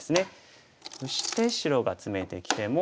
そして白がツメてきても。